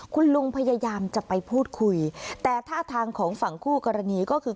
คุณลุงพยายามจะไปพูดคุยแต่ท่าทางของฝั่งคู่กรณีก็คือ